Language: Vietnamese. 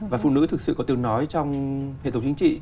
và phụ nữ thực sự có tiếng nói trong hệ thống chính trị